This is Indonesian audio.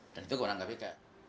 dan itu kemarin kpk